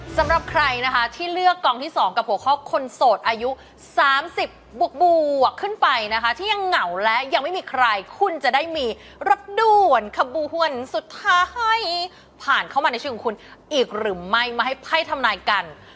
สำหรับใครนะคะที่เลือกกองที่๒กับหัวข้อคนโสดอายุ๓๐บวกขึ้นไปนะคะที่ยังเหงาและยังไม่มีใครคุณจะได้มีรถด่วนขบวนสุดท้ายให้ผ่านเข้ามาในชีวิตของคุณอีกหรือไม่มาให้ไพ่ทำนายกัน